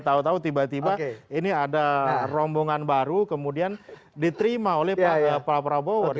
tahu tahu tiba tiba ini ada rombongan baru kemudian diterima oleh para para power